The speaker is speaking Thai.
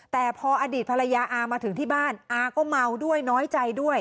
แต่พออดีตภรรยาอามาถึงที่บ้านอาก็เมาด้วยน้อยใจด้วย